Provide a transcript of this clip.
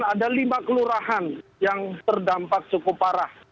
ada lima kelurahan yang terdampak cukup parah